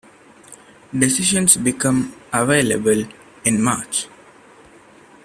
Decisions become available in March.